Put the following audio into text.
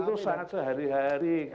itu sangat sehari hari